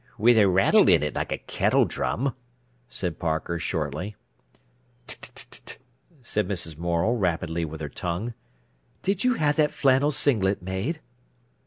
"Wi' a rattle in it like a kettle drum," said Barker shortly. "T t t t!" went Mrs. Morel rapidly with her tongue. "Did you have that flannel singlet made?"